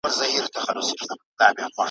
د خرقې دام`